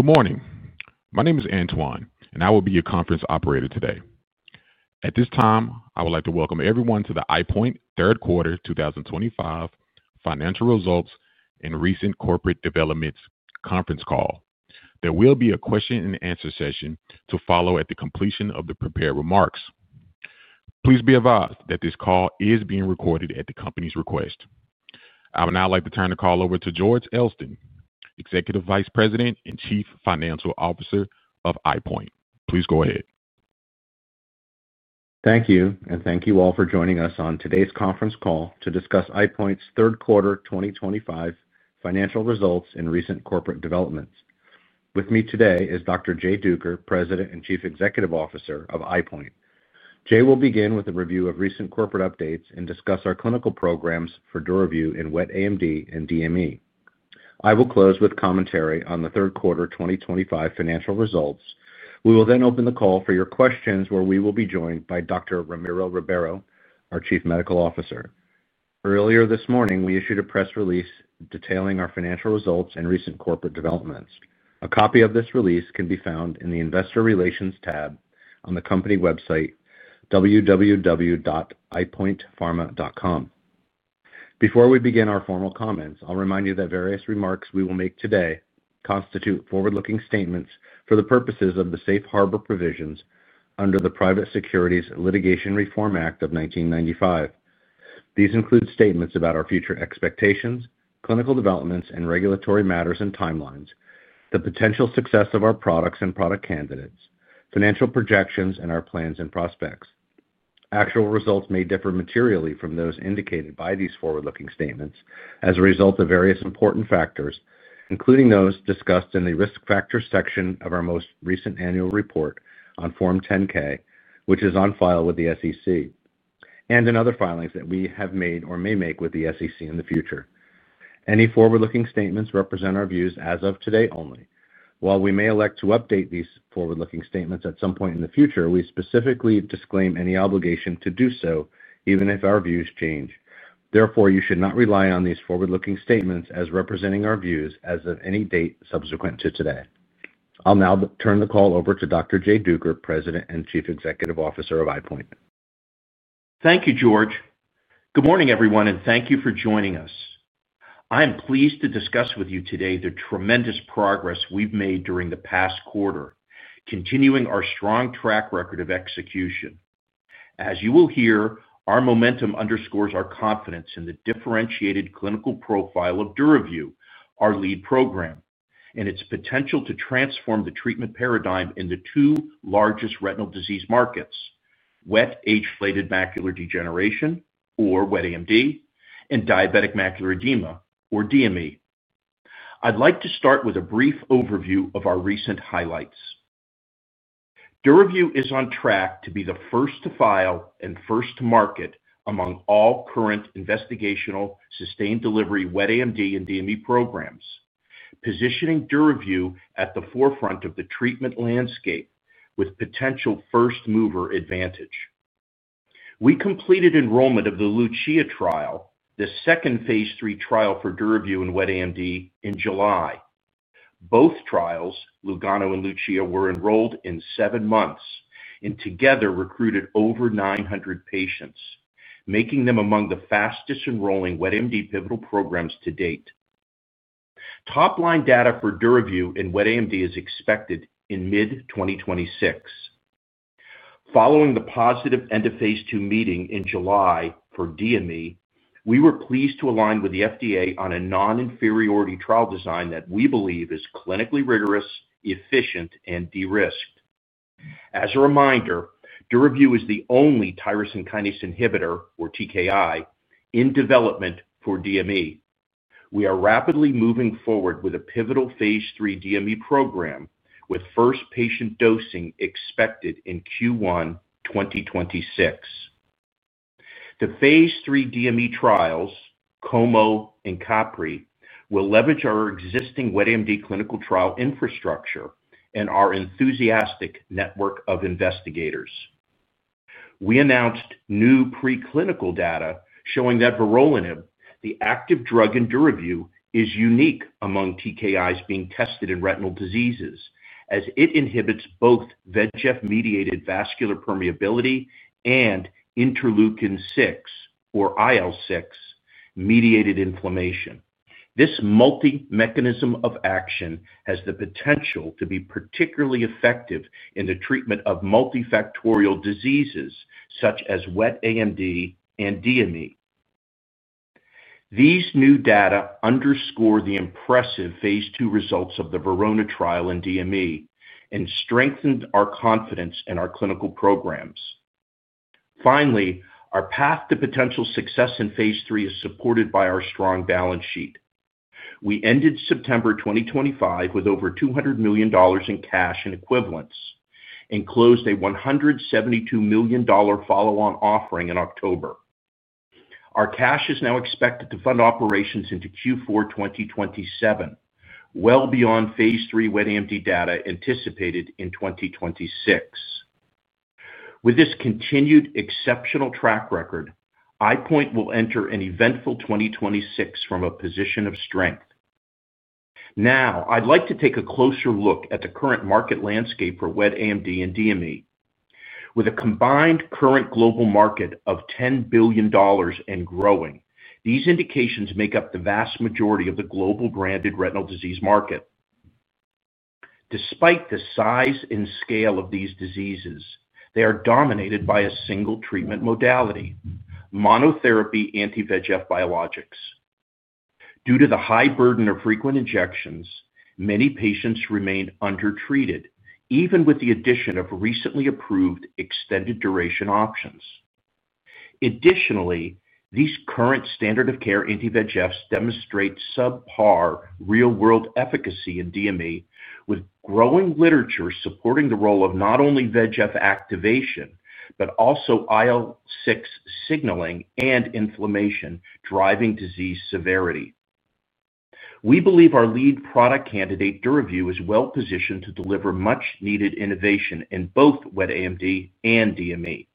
Good morning. My name is Antoine, and I will be your conference operator today. At this time, I would like to welcome everyone to the EyePoint Pharmaceuticals Third Quarter 2025 Financial Results and Recent Corporate Developments conference call. There will be a question-and-answer session to follow at the completion of the prepared remarks. Please be advised that this call is being recorded at the company's request. I would now like to turn the call over to George Elston, Executive Vice President and Chief Financial Officer of EyePoint Pharmaceuticals. Please go ahead. Thank you, and thank you all for joining us on today's conference call to discuss EyePoint Pharmaceuticals Third Quarter 2025 Financial Results and Recent Corporate Developments. With me today is Dr. Jay Duker, President and Chief Executive Officer of EyePoint Pharmaceuticals. Jay will begin with a review of recent corporate updates and discuss our clinical programs for DURAVYU in wet AMD and DME. I will close with commentary on the Third Quarter 2025 financial results. We will then open the call for your questions, where we will be joined by Dr. Ramiro Ribeiro, our Chief Medical Officer. Earlier this morning, we issued a press release detailing our financial results and recent corporate developments. A copy of this release can be found in the Investor Relations tab on the company website, www.EyePointPharma.com. Before we begin our formal comments, I'll remind you that various remarks we will make today constitute forward-looking statements for the purposes of the safe harbor provisions under the Private Securities Litigation Reform Act of 1995. These include statements about our future expectations, clinical developments, and regulatory matters and timelines, the potential success of our products and product candidates, financial projections, and our plans and prospects. Actual results may differ materially from those indicated by these forward-looking statements as a result of various important factors, including those discussed in the risk factor section of our most recent annual report on Form 10-K, which is on file with the SEC, and in other filings that we have made or may make with the SEC in the future. Any forward-looking statements represent our views as of today only. While we may elect to update these forward-looking statements at some point in the future, we specifically disclaim any obligation to do so even if our views change. Therefore, you should not rely on these forward-looking statements as representing our views as of any date subsequent to today. I'll now turn the call over to Dr. Jay Duker, President and Chief Executive Officer of EyePoint Pharmaceuticals. Thank you, George. Good morning, everyone, and thank you for joining us. I am pleased to discuss with you today the tremendous progress we've made during the past quarter, continuing our strong track record of execution. As you will hear, our momentum underscores our confidence in the differentiated clinical profile of DURAVYU, our lead program, and its potential to transform the treatment paradigm in the two largest retinal disease markets: wet age-related macular degeneration, or wet AMD, and Diabetic Macular Edema, or DME. I'd like to start with a brief overview of our recent highlights. DURAVYU is on track to be the first to file and first to market among all current investigational sustained delivery wet AMD and DME programs, positioning DURAVYU at the forefront of the treatment landscape with potential first-mover advantage. We completed enrollment of the LUCIA trial, the second phase three trial for DURAVYU in wet AMD, in July. Both trials, LUGANO and LUCIA, were enrolled in seven months and together recruited over 900 patients, making them among the fastest enrolling wet AMD pivotal programs to date. Top-line data for DURAVYU in wet AMD is expected in mid-2026. Following the positive end-of-phase two meeting in July for DME, we were pleased to align with the FDA on a non-inferiority trial design that we believe is clinically rigorous, efficient, and de-risked. As a reminder, DURAVYU is the only Tyrosine Kinase Inhibitor, or TKI, in development for DME. We are rapidly moving forward with a pivotal phase three DME program, with first patient dosing expected in Q1 2026. The phase III DME trials, COMO and COPRI, will leverage our existing wet AMD clinical trial infrastructure and our enthusiastic network of investigators. We announced new preclinical data showing that vorolanib, the active drug in DURAVYU, is unique among TKIs being tested in retinal diseases as it inhibits both VEGF-mediated vascular permeability and Interleukin-6, or IL-6, mediated inflammation. This multi-mechanism of action has the potential to be particularly effective in the treatment of multifactorial diseases such as wet AMD and DME. These new data underscore the impressive phase two results of the VERONA trial in DME and strengthened our confidence in our clinical programs. Finally, our path to potential success in phase three is supported by our strong balance sheet. We ended September 2025 with over $200 million in cash and equivalents and closed a $172 million follow-on offering in October. Our cash is now expected to fund operations into Q4 2027. This is well beyond phase III wet AMD data anticipated in 2026. With this continued exceptional track record, EyePoint Pharmaceuticals will enter an eventful 2026 from a position of strength. Now, I'd like to take a closer look at the current market landscape for wet AMD and DME. With a combined current global market of $10 billion and growing, these indications make up the vast majority of the global branded retinal disease market. Despite the size and scale of these diseases, they are dominated by a single treatment modality: Monotherapy Anti-VEGF Biologics. Due to the high burden of frequent injections, many patients remain undertreated, even with the addition of recently approved extended duration options. Additionally, these current standard of care anti-VEGFs demonstrate subpar real-world efficacy in DME, with growing literature supporting the role of not only VEGF activation but also IL-6 signaling and inflammation driving disease severity. We believe our lead product candidate, DURAVYU, is well positioned to deliver much-needed innovation in both wet AMD and DME.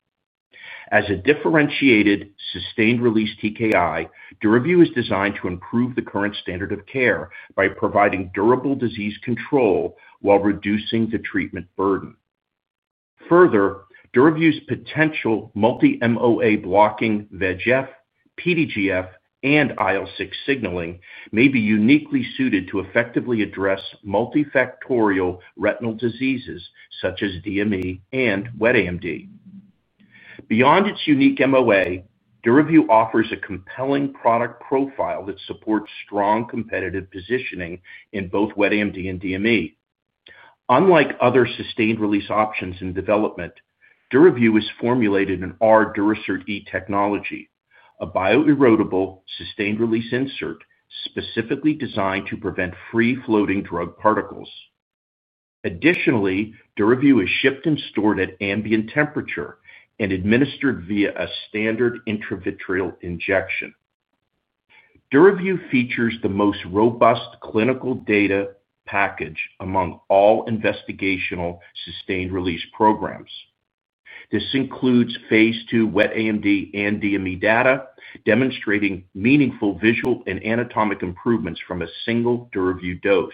As a differentiated sustained-release TKI, DURAVYU is designed to improve the current standard of care by providing durable disease control while reducing the treatment burden. Further, DURAVYU's potential multi-MOA blocking VEGF, PDGF, and IL-6 signaling may be uniquely suited to effectively address multifactorial retinal diseases such as DME and wet AMD. Beyond its unique MOA, DURAVYU offers a compelling product profile that supports strong competitive positioning in both wet AMD and DME. Unlike other sustained-release options in development, DURAVYU is formulated in our Durasert E technology, a bio-erodible sustained-release insert specifically designed to prevent free-floating drug particles. Additionally, DURAVYU is shipped and stored at ambient temperature and administered via a standard intravitreal injection. DURAVYU features the most robust clinical data package among all investigational sustained-release programs. This includes phase two wet AMD and DME data, demonstrating meaningful visual and anatomic improvements from a single DURAVYU dose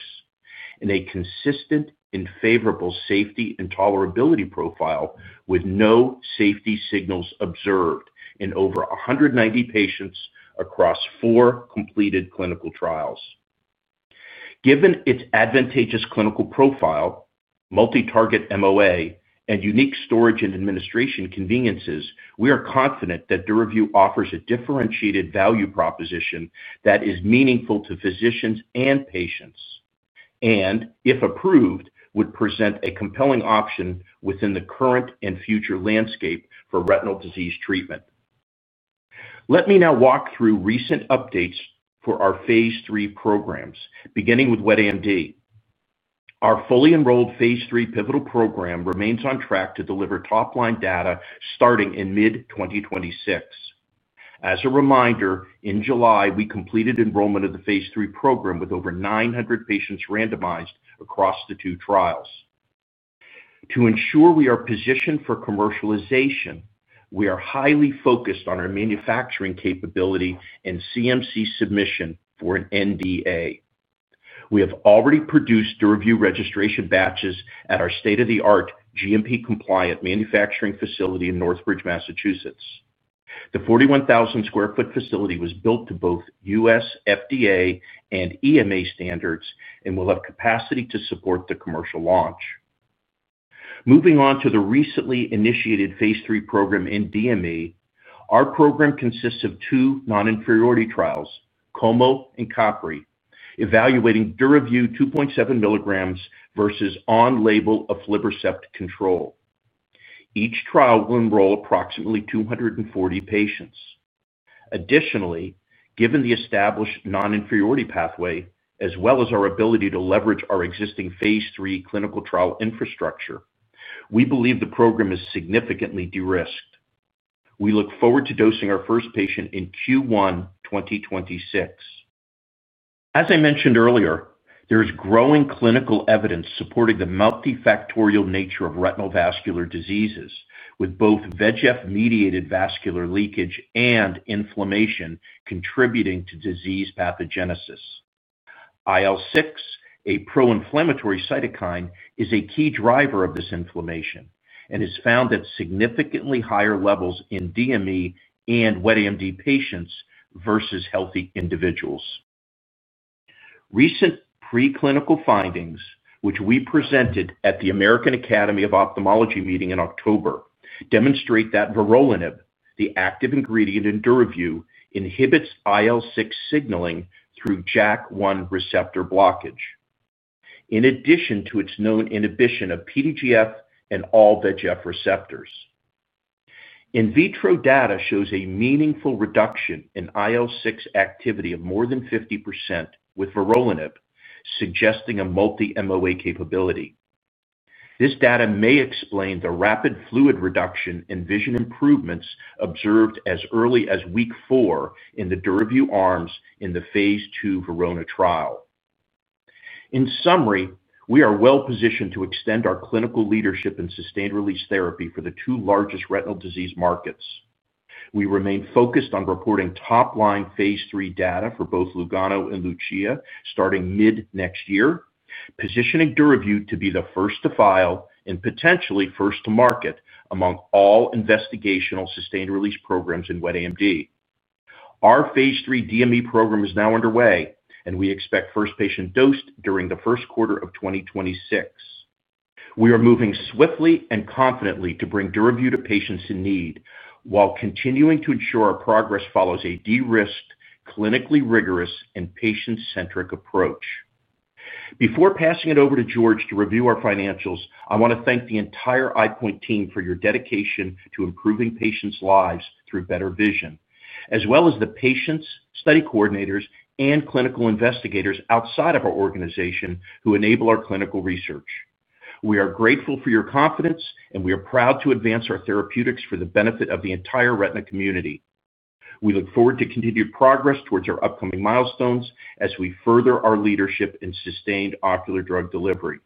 and a consistent and favorable safety and tolerability profile with no safety signals observed in over 190 patients across four completed clinical trials. Given its advantageous clinical profile, multi-target MOA, and unique storage and administration conveniences, we are confident that DURAVYU offers a differentiated value proposition that is meaningful to physicians and patients and, if approved, would present a compelling option within the current and future landscape for retinal disease treatment. Let me now walk through recent updates for our phase three programs, beginning with wet AMD. Our fully enrolled phase three pivotal program remains on track to deliver top-line data starting in mid-2026. As a reminder, in July, we completed enrollment of the phase three program with over 900 patients randomized across the two trials. To ensure we are positioned for commercialization, we are highly focused on our manufacturing capability and CMC submission for an NDA. We have already produced DURAVYU registration batches at our state-of-the-art, GMP-compliant manufacturing facility in Northridge, Massachusetts. The 41,000 sq ft facility was built to both U.S. FDA and EMA standards and will have capacity to support the commercial launch. Moving on to the recently initiated phase three program in DME, our program consists of two non-inferiority trials, COMO and COPRI, evaluating DURAVYU 2.7 mg versus on-label aflibercept control. Each trial will enroll approximately 240 patients. Additionally, given the established non-inferiority pathway, as well as our ability to leverage our existing phase three clinical trial infrastructure, we believe the program is significantly de-risked. We look forward to dosing our first patient in Q1 2026. As I mentioned earlier, there is growing clinical evidence supporting the multifactorial nature of retinal vascular diseases, with both VEGF-mediated vascular leakage and inflammation contributing to disease pathogenesis. IL-6, a pro-inflammatory cytokine, is a key driver of this inflammation and is found at significantly higher levels in DME and wet AMD patients versus healthy individuals. Recent preclinical findings, which we presented at the American Academy of Ophthalmology meeting in October, demonstrate that vorolanib, the active ingredient in DURAVYU, inhibits IL-6 signaling through JAK1 receptor blockage. In addition to its known inhibition of PDGF and all VEGF receptors. In vitro data shows a meaningful reduction in IL-6 activity of more than 50% with vorolanib, suggesting a multi-MOA capability. This data may explain the rapid fluid reduction and vision improvements observed as early as week four in the DURAVYU arms in the phase two VERONA trial. In summary, we are well positioned to extend our clinical leadership in sustained-release therapy for the two largest retinal disease markets. We remain focused on reporting top-line phase three data for both LUGANO and LUCIA starting mid-next year, positioning DURAVYU to be the first to file and potentially first to market among all investigational sustained-release programs in wet AMD. Our phase three DME program is now underway, and we expect first patient dosed during the first quarter of 2026. We are moving swiftly and confidently to bring DURAVYU to patients in need while continuing to ensure our progress follows a de-risked, clinically rigorous, and patient-centric approach. Before passing it over to George to review our financials, I want to thank the entire EyePoint team for your dedication to improving patients' lives through better vision, as well as the patients, study coordinators, and clinical investigators outside of our organization who enable our clinical research. We are grateful for your confidence, and we are proud to advance our therapeutics for the benefit of the entire retina community. We look forward to continued progress towards our upcoming milestones as we further our leadership in sustained ocular drug delivery.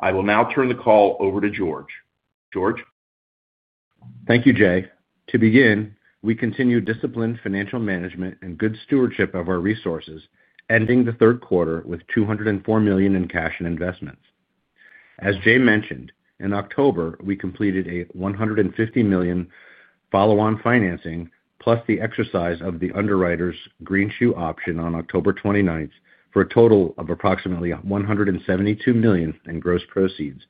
I will now turn the call over to George. George. Thank you, Jay. To begin, we continue disciplined financial management and good stewardship of our resources, ending the third quarter with $204 million in cash and investments. As Jay mentioned, in October, we completed a $150 million. Follow-on financing, plus the exercise of the underwriter's green shoe option on October 29th for a total of approximately $172 million in gross proceeds,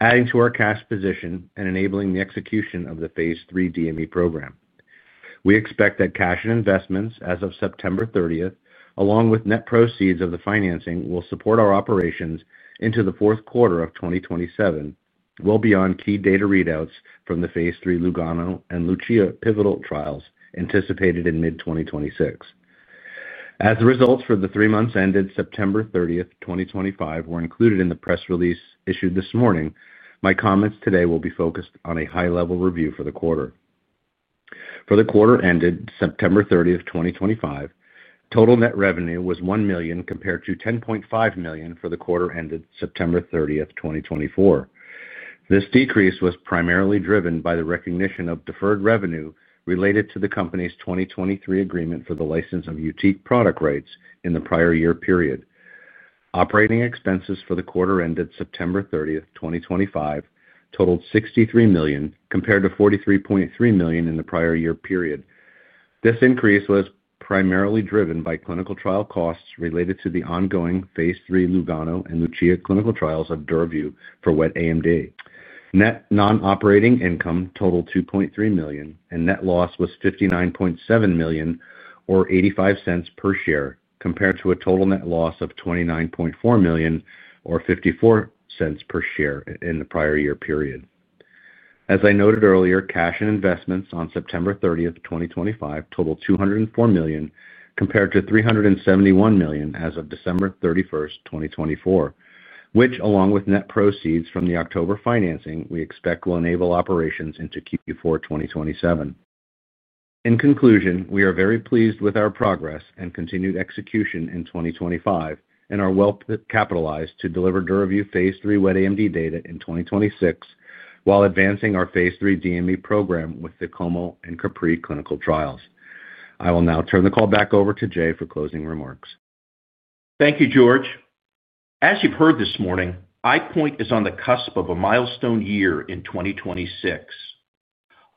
adding to our cash position and enabling the execution of the phase three DME program. We expect that cash and investments as of September 30th, along with net proceeds of the financing, will support our operations into the fourth quarter of 2027, well beyond key data readouts from the phase three LUGANO and LUCIA pivotal trials anticipated in mid-2026. As the results for the three months ended September 30th, 2025, were included in the press release issued this morning, my comments today will be focused on a high-level review for the quarter. For the quarter ended September 30th, 2025, total net revenue was $1 million compared to $10.5 million for the quarter ended September 30th, 2024. This decrease was primarily driven by the recognition of deferred revenue related to the company's 2023 agreement for the license of Yutique product rights in the prior year period. Operating expenses for the quarter ended September 30, 2025, totaled $63 million compared to $43.3 million in the prior year period. This increase was primarily driven by clinical trial costs related to the ongoing phase three LUGANO and LUCIA clinical trials of DURAVYU for wet AMD. Net non-operating income totaled $2.3 million, and net loss was $59.7 million, or $0.85 per share, compared to a total net loss of $29.4 million, or $0.54 per share, in the prior year period. As I noted earlier, cash and investments on September 30th, 2025, totaled $204 million compared to $371 million as of December 31st, 2024, which, along with net proceeds from the October financing, we expect will enable operations into Q4 2027. In conclusion, we are very pleased with our progress and continued execution in 2025 and are well capitalized to deliver DURAVYU phase three wet AMD data in 2026 while advancing our phase three DME program with the COMO and COPRI clinical trials. I will now turn the call back over to Jay for closing remarks. Thank you, George. As you've heard this morning, EyePoint is on the cusp of a milestone year in 2026.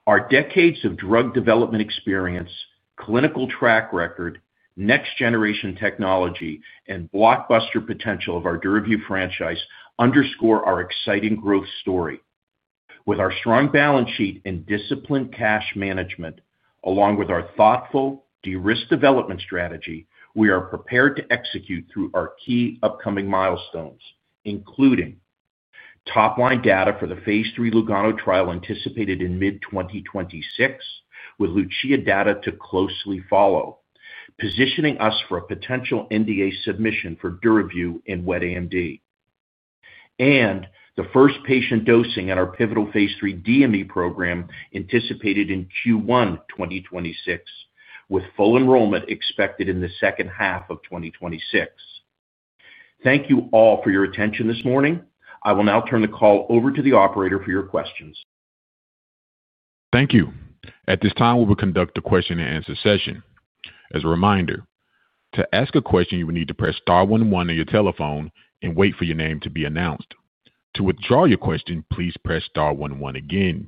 Our decades of drug development experience, clinical track record, next-generation technology, and blockbuster potential of our DURAVYU franchise underscore our exciting growth story. With our strong balance sheet and disciplined cash management, along with our thoughtful de-risk development strategy, we are prepared to execute through our key upcoming milestones, including top-line data for the phase three LUGANO trial anticipated in mid-2026, with LUCIA data to closely follow. Positioning us for a potential NDA submission for DURAVYU in wet AMD. The first patient dosing in our pivotal phase three DME program is anticipated in Q1 2026, with full enrollment expected in the second half of 2026. Thank you all for your attention this morning. I will now turn the call over to the operator for your questions. Thank you. At this time, we will conduct a question-and-answer session. As a reminder, to ask a question, you will need to press star 11 on your telephone and wait for your name to be announced. To withdraw your question, please press star one one again.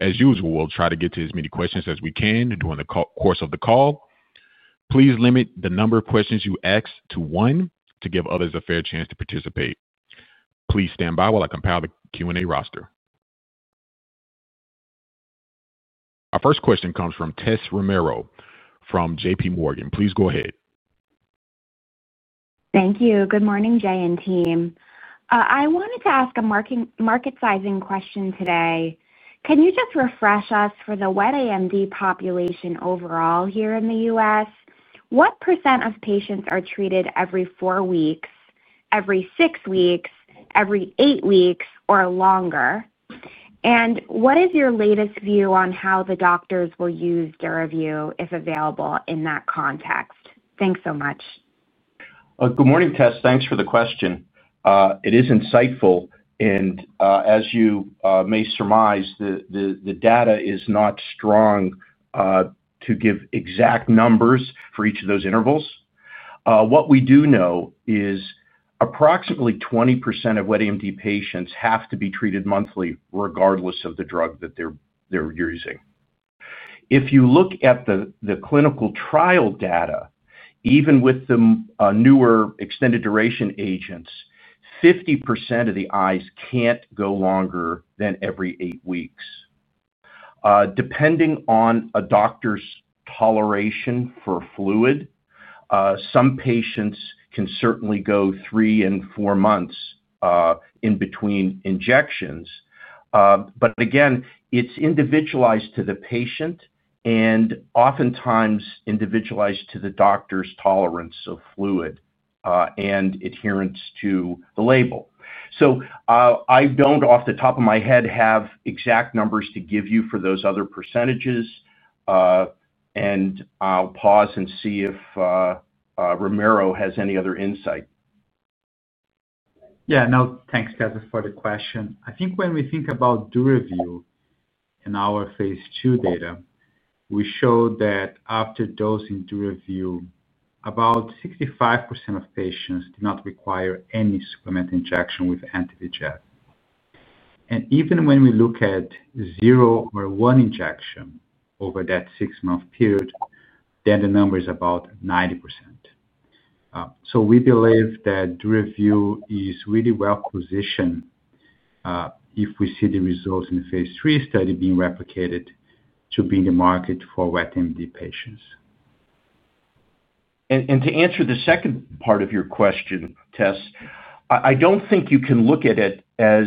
As usual, we'll try to get to as many questions as we can during the course of the call. Please limit the number of questions you ask to one to give others a fair chance to participate. Please stand by while I compile the Q&A roster. Our first question comes from Tess Romero from JPMorgan. Please go ahead. Thank you. Good morning, Jay and team. I wanted to ask a market sizing question today. Can you just refresh us for the wet AMD population overall here in the U.S.? What % of patients are treated every four weeks, every six weeks, every eight weeks, or longer? And what is your latest view on how the doctors will use DURAVYU, if available, in that context? Thanks so much. Good morning, Tess. Thanks for the question. It is insightful. As you may surmise, the data is not strong. To give exact numbers for each of those intervals. What we do know is approximately 20% of wet AMD patients have to be treated monthly, regardless of the drug that they're using. If you look at the clinical trial data, even with the newer extended duration agents, 50% of the eyes can't go longer than every eight weeks. Depending on a doctor's toleration for fluid, some patients can certainly go three and four months in between injections. Again, it's individualized to the patient and oftentimes individualized to the doctor's tolerance of fluid and adherence to the label. I don't, off the top of my head, have exact numbers to give you for those other percentages. I'll pause and see if Ramiro has any other insight. Yeah. No, thanks, Tess, for the question. I think when we think about DURAVYU. In our phase II data, we showed that after dosing DURAVYU, about 65% of patients did not require any supplement injection with anti-VEGF. Even when we look at zero or one injection over that six-month period, the number is about 90%. We believe that DURAVYU is really well positioned. If we see the results in the phase three study being replicated to be in the market for wet AMD patients. To answer the second part of your question, Tess, I do not think you can look at it as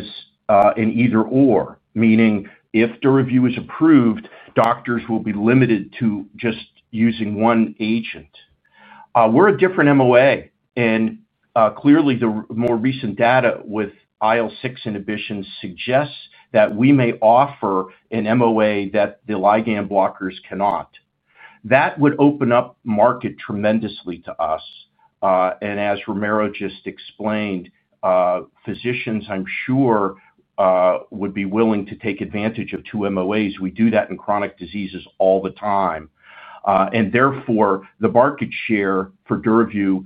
an either/or, meaning if DURAVYU is approved, doctors will be limited to just using one agent. We are a different MOA. Clearly, the more recent data with IL-6 inhibition suggests that we may offer an MOA that the ligand blockers cannot. That would open up market tremendously to us. As Romero just explained, physicians, I am sure would be willing to take advantage of two MOAs. We do that in chronic diseases all the time. Therefore, the market share for DURAVYU,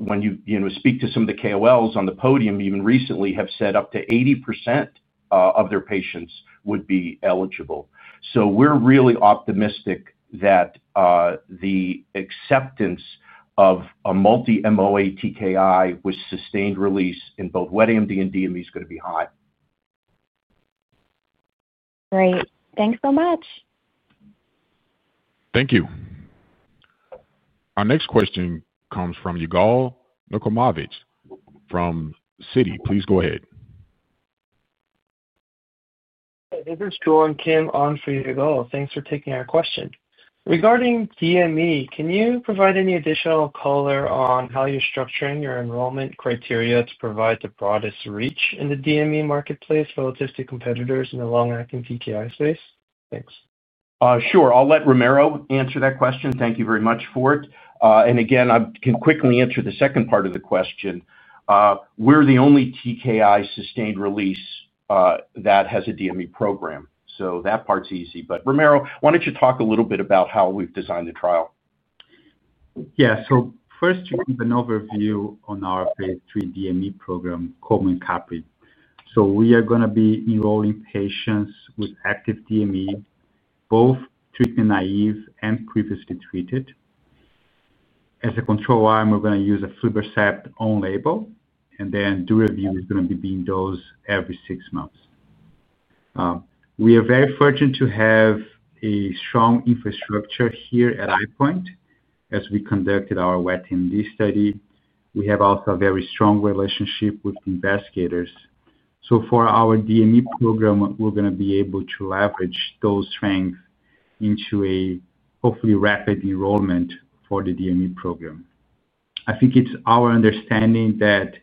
when you speak to some of the KOLs on the podium even recently, have said up to 80% of their patients would be eligible. We are really optimistic that the acceptance of a multi-MOA TKI with sustained release in both wet AMD and DME is going to be high. Great. Thanks so much. Thank you. Our next question comes from Yugal Nukamavich from Citi. Please go ahead. Hey, this is Joel and Kim on for Yugal. Thanks for taking our question. Regarding DME, can you provide any additional color on how you're structuring your enrollment criteria to provide the broadest reach in the DME marketplace relative to competitors in the long-acting TKI space? Thanks. Sure. I'll let Ramiro answer that question. Thank you very much for it. I can quickly answer the second part of the question. We're the only TKI sustained release that has a DME program. That part's easy. Romero, why don't you talk a little bit about how we've designed the trial? Yeah. First, you give an overview on our phase three DME program, COMO and COPRI. We are going to be enrolling patients with active DME, both treatment naive and previously treated. As a control arm, we're going to use aflibercept on-label, and then DURAVYU is going to be being dosed every six months. We are very fortunate to have a strong infrastructure here at EyePoint as we conducted our wet AMD study. We have also a very strong relationship with investigators. For our DME program, we're going to be able to leverage those strengths into a hopefully rapid enrollment for the DME program. I think it's our understanding that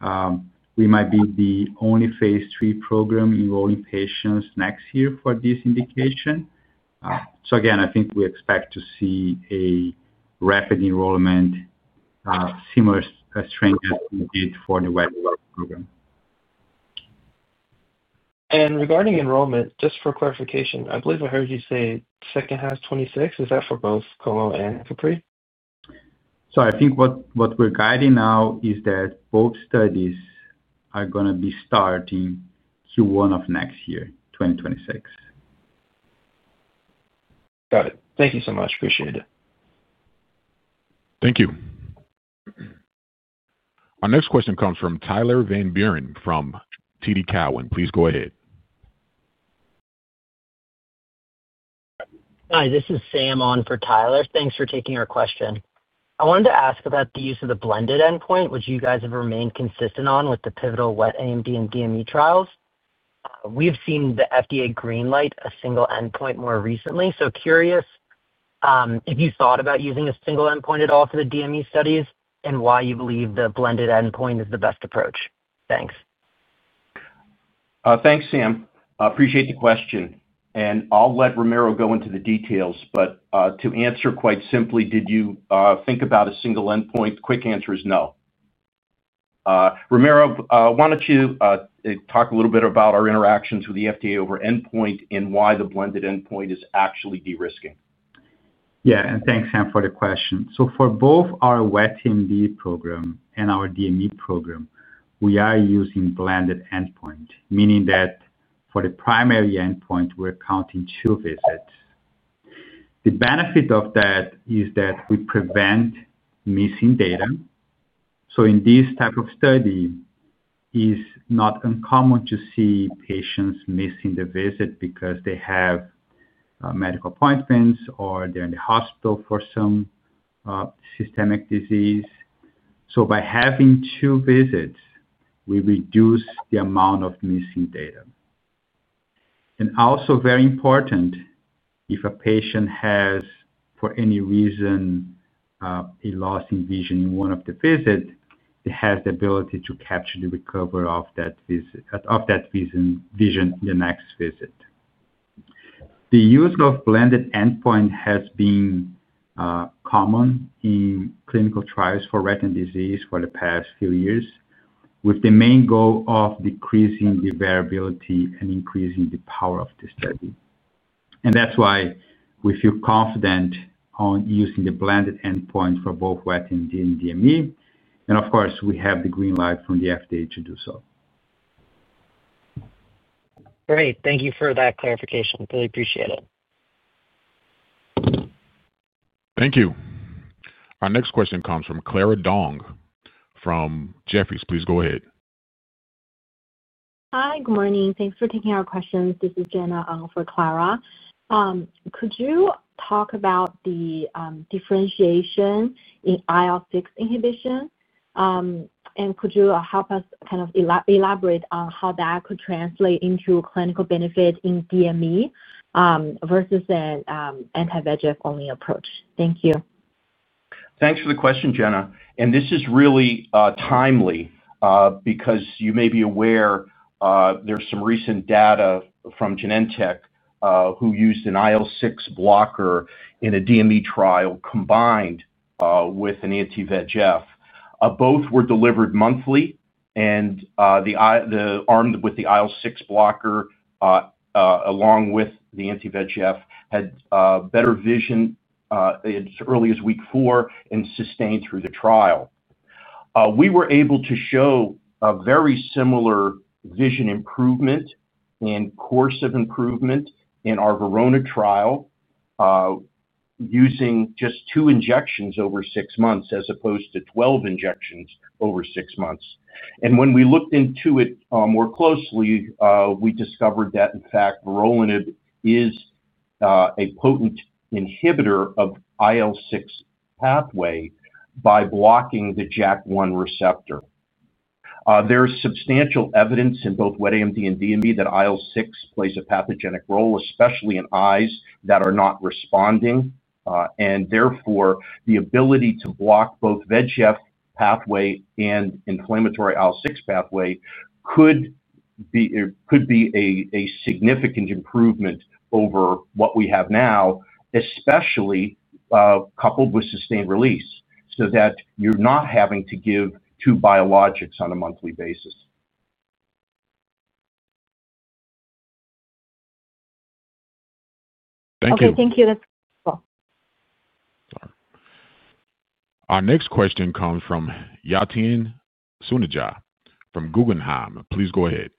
we might be the only phase three program enrolling patients next year for this indication. I think we expect to see a rapid enrollment, similar strength as we did for the wet AMD program. Regarding enrollment, just for clarification, I believe I heard you say second half 2026. Is that for both COMO and COPRI? I think what we're guiding now is that both studies are going to be starting Q1 of next year, 2026. Got it. Thank you so much. Appreciate it. Thank you. Our next question comes from Tyler Van Buren from TD Cowen. Please go ahead. Hi. This is Sam on for Tyler. Thanks for taking our question. I wanted to ask about the use of the blended endpoint, which you guys have remained consistent on with the pivotal wet AMD and DME trials. We've seen the FDA greenlight a single endpoint more recently. Curious if you thought about using a single endpoint at all for the DME studies and why you believe the blended endpoint is the best approach. Thanks. Thanks, Sam. Appreciate the question. I'll let Ramiro go into the details. To answer quite simply, did we think about a single endpoint? The quick answer is no. Ramiro, why don't you talk a little bit about our interactions with the FDA over endpoint and why the blended endpoint is actually de-risking? Yeah. Thanks, Sam, for the question. For both our wet AMD program and our DME program, we are using blended endpoint, meaning that for the primary endpoint, we're counting two visits. The benefit of that is that we prevent missing data. In this type of study, it's not uncommon to see patients missing the visit because they have medical appointments or they're in the hospital for some systemic disease. By having two visits, we reduce the amount of missing data. Also, very important, if a patient has, for any reason, a loss in vision in one of the visits, it has the ability to capture the recovery of that vision in the next visit. The use of blended endpoint has been common in clinical trials for wet AMD disease for the past few years, with the main goal of decreasing the variability and increasing the power of the study. That's why we feel confident on using the blended endpoint for both wet AMD and DME. Of course, we have the greenlight from the FDA to do so. Great. Thank you for that clarification. Really appreciate it. Thank you. Our next question comes from Clara Dong from Jefferies. Please go ahead. Hi. Good morning. Thanks for taking our questions. This is Jana for Clara. Could you talk about the differentiation in IL-6 inhibition? Could you help us kind of elaborate on how that could translate into clinical benefit in DME versus an anti-VEGF-only approach? Thank you. Thanks for the question, Jana. This is really timely because you may be aware there's some recent data from Genentech who used an IL-6 blocker in a DME trial combined with an anti-VEGF. Both were delivered monthly, and the arm with the IL-6 blocker. Along with the anti-VEGF, had better vision. As early as week four and sustained through the trial. We were able to show a very similar vision improvement and course of improvement in our VERONA trial. Using just two injections over six months as opposed to 12 injections over six months. When we looked into it more closely, we discovered that, in fact, vorolanib is a potent inhibitor of the IL-6 pathway by blocking the JAK1 receptor. There is substantial evidence in both wet AMD and DME that IL-6 plays a pathogenic role, especially in eyes that are not responding. Therefore, the ability to block both the VEGF pathway and inflammatory IL-6 pathway could be a significant improvement over what we have now. Especially coupled with sustained release so that you're not having to give two biologics on a monthly basis. Thank you. Okay. Thank you. That's helpful. All right. Our next question comes from Yatin Sunejah from Guggenheim. Please go ahead.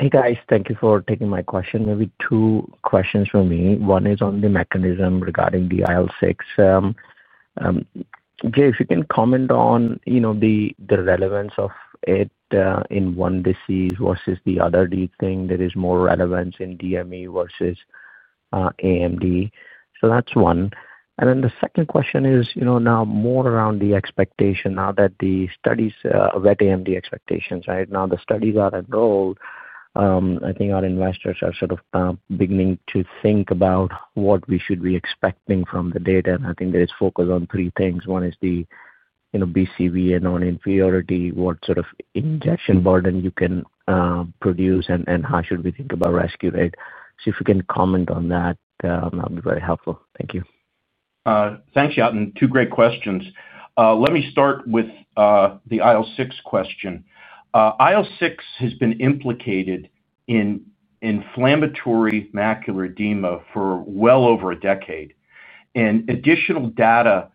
Hey, guys. Thank you for taking my question. Maybe two questions for me. One is on the mechanism regarding the IL-6. Jay, if you can comment on the relevance of it in one disease versus the other, do you think there is more relevance in DME versus AMD? That is one. The second question is now more around the expectation now that the studies, wet AMD expectations, right? Now the studies are enrolled. I think our investors are sort of beginning to think about what we should be expecting from the data. I think there is focus on three things. One is the BCVA and non-inferiority, what sort of injection burden you can produce, and how should we think about rescue rate. If you can comment on that, that would be very helpful. Thank you. Thanks, Yatin. Two great questions. Let me start with the IL-6 question. IL-6 has been implicated in inflammatory macular edema for well over a decade. Additional data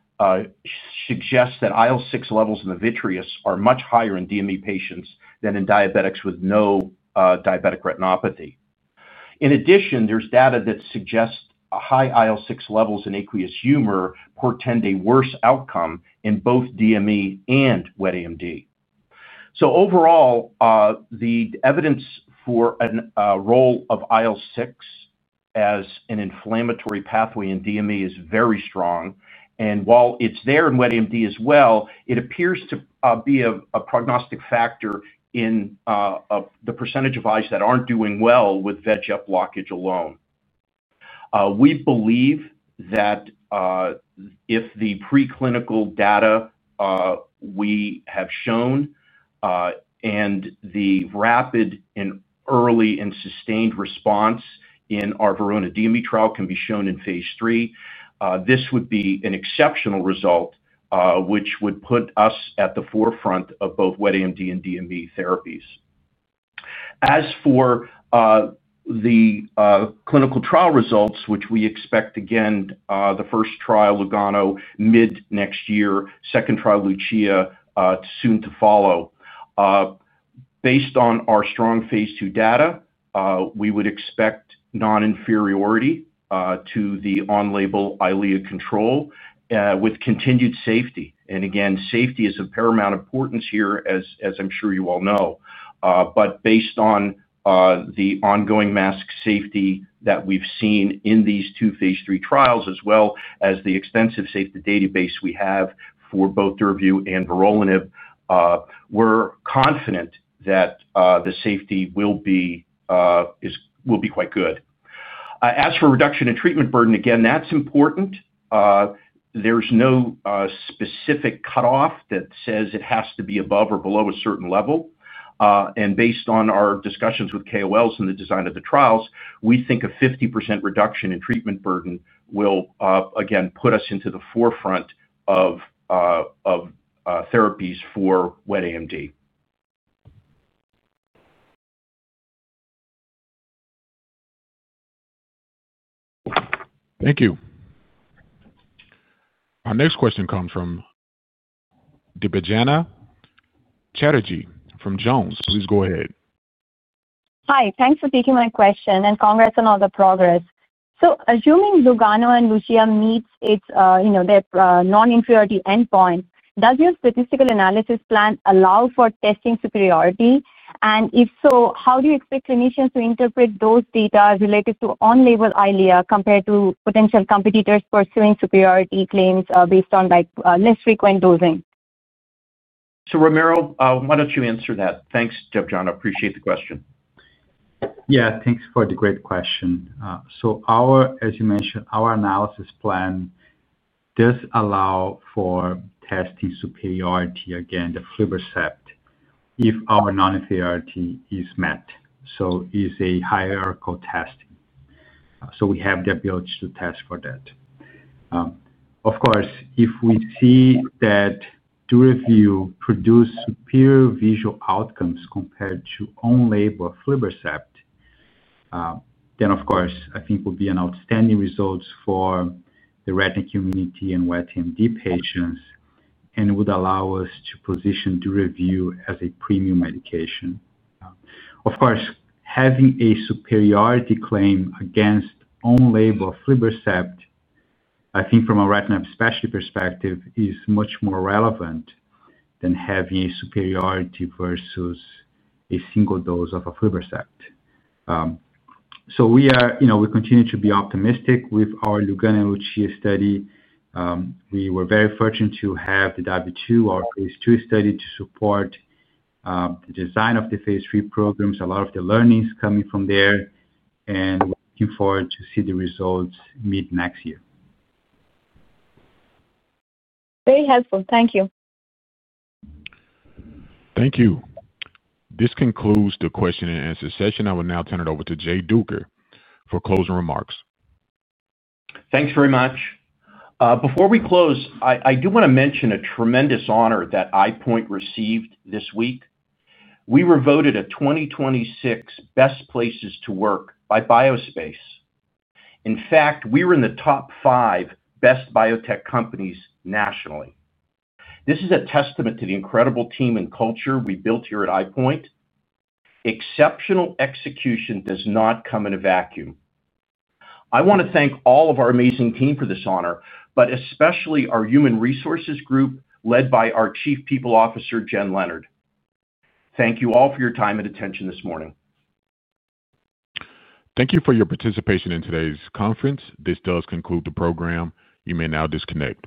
suggests that IL-6 levels in the vitreous are much higher in DME patients than in diabetics with no diabetic retinopathy. In addition, there is data that suggests high IL-6 levels in aqueous humor portend a worse outcome in both DME and wet AMD. Overall, the evidence for a role of IL-6 as an inflammatory pathway in DME is very strong. While it is there in wet AMD as well, it appears to be a prognostic factor in the percentage of eyes that are not doing well with VEGF blockage alone. We believe that if the preclinical data we have shown. The rapid and early and sustained response in our VERONA DME trial can be shown in phase three, this would be an exceptional result. This would put us at the forefront of both wet AMD and DME therapies. As for the clinical trial results, which we expect, again, the first trial, LUGANO, mid next year, second trial, LUCIA, soon to follow. Based on our strong phase two data, we would expect non-inferiority to the on-label EYLEA control with continued safety. Safety is of paramount importance here, as I'm sure you all know. Based on the ongoing masked safety that we've seen in these two phase III trials, as well as the extensive safety database we have for both DURAVYU and vorolanib, we're confident that the safety will be quite good. As for reduction in treatment burden, again, that's important. There's no specific cutoff that says it has to be above or below a certain level. Based on our discussions with KOLs and the design of the trials, we think a 50% reduction in treatment burden will, again, put us into the forefront of therapies for wet AMD. Thank you. Our next question comes from Debanjana Chatterjee from Jones. Please go ahead. Hi. Thanks for taking my question, and congrats on all the progress. Assuming LUGANO and LUCIA meet their non-inferiority endpoint, does your statistical analysis plan allow for testing superiority? If so, how do you expect clinicians to interpret those data related to on-label EYLEA compared to potential competitors pursuing superiority claims based on less frequent dosing? Romero, why don't you answer that? Thanks, Jay. I appreciate the question. Yeah. Thanks for the great question. As you mentioned, our analysis plan. Does allow for testing superiority, again, to aflibercept, if our non-inferiority is met. It is a hierarchical test. We have the ability to test for that. Of course, if we see that DURAVYU produced superior visual outcomes compared to on-label aflibercept, then, of course, I think it would be an outstanding result for the retinal community and wet AMD patients, and it would allow us to position DURAVYU as a premium medication. Of course, having a superiority claim against on-label aflibercept, I think from a retinal specialty perspective, is much more relevant than having a superiority versus a single dose of aflibercept. We continue to be optimistic with our LUGANO and LUCIA study. We were very fortunate to have the W2, our phase two study, to support. The design of the phase III programs, a lot of the learnings coming from there, and we're looking forward to see the results mid next year. Very helpful. Thank you. Thank you. This concludes the question and answer session. I will now turn it over to Jay Duker for closing remarks. Thanks very much. Before we close, I do want to mention a tremendous honor that EyePoint received this week. We were voted a 2026 Best Places to Work by BioSpace. In fact, we were in the top five best biotech companies nationally. This is a testament to the incredible team and culture we built here at EyePoint. Exceptional execution does not come in a vacuum. I want to thank all of our amazing team for this honor, but especially our human resources group led by our Chief People Officer, Jen Leonard. Thank you all for your time and attention this morning. Thank you for your participation in today's conference. This does conclude the program. You may now disconnect.